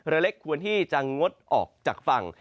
เล็กควรที่จะงดออกจากฝั่ง